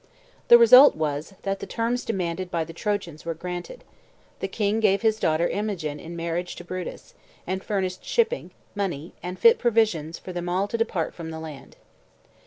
The result was, that the terms demanded by the Trojans were granted; the king gave his daughter Imogen in marriage to Brutus, and furnished shipping, money, and fit provision for them all to depart from the land.